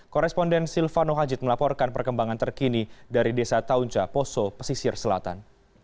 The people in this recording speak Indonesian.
koresponden silvano hajid melaporkan perkembangan terkini dari desa taunca poso pesisir selatan